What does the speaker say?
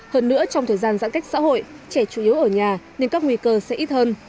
hơn nữa trong thời gian giãn cách xã hội trẻ chủ yếu ở nhà nên các nguy cơ sẽ ít hơn